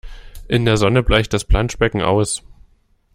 In der Sonne bleicht das Planschbecken aus.